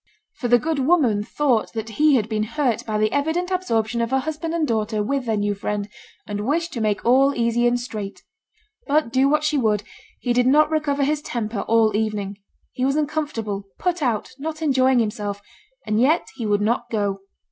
For the good woman thought that he had been hurt by the evident absorption of her husband and daughter with their new friend, and wished to make all easy and straight. But do what she would, he did not recover his temper all evening: he was uncomfortable, put out, not enjoying himself, and yet he would not go.